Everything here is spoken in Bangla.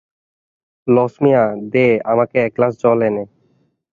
লছমিয়া, দে তো আমাকে এক গ্লাস জল এনে।